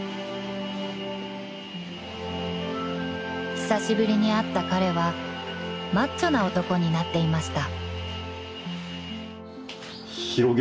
［久しぶりに会った彼はマッチョな男になっていました］